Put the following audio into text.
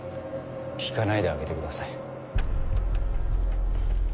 聞かないであげてください。